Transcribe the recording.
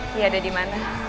dia ada dimana